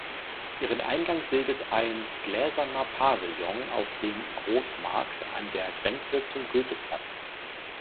Ihren Eingang bildet ein gläserner Pavillon auf dem Roßmarkt an der Grenze zum Goetheplatz.